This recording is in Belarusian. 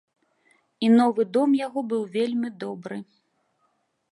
І новы дом яго быў вельмі добры.